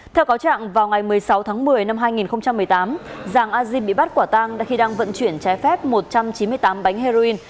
theo cáo trạng vào ngày một mươi sáu tháng một mươi năm hai nghìn một mươi tám giàng a diêm bị bắt quả tang đã khi đang vận chuyển trái phép một trăm chín mươi tám bánh heroin